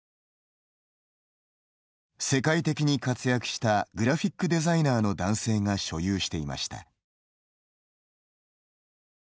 世界的に活躍したグラフィックデザイナーの男性が所有していました。